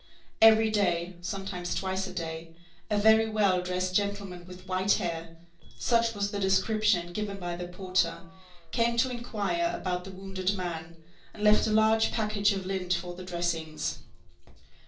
Every day, sometimes twice a day, a very well dressed gentleman with white hair,—such was the description given by the porter,—came to inquire about the wounded man, and left a large package of lint for the dressings.